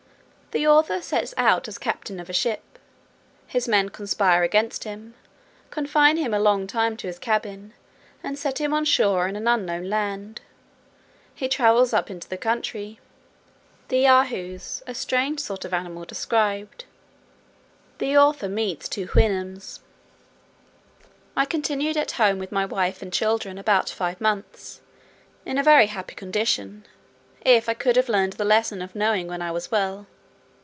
The author sets out as captain of a ship. His men conspire against him, confine him a long time to his cabin, and set him on shore in an unknown land. He travels up into the country. The Yahoos, a strange sort of animal, described. The author meets two Houyhnhnms. I continued at home with my wife and children about five months in a very happy condition, if I could have learned the lesson of knowing when I was well.